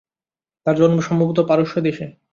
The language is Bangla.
তার জন্ম সম্ভবত পারস্য দেশে।